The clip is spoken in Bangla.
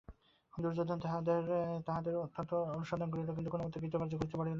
দুর্যোধন তাঁহাদের অনেক অনুসন্ধান করিল, কিন্তু কোনমতে কৃতকার্য হইতে পারিল না।